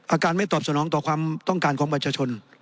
อาการไม่ตอบสนองต่อความต้องการของประชาชน